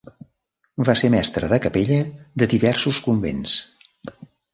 Va ser mestre de capella de diversos convents.